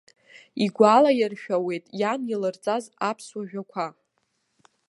Игәалаиршәауеит иан илырҵаз аԥсуа жәақәа.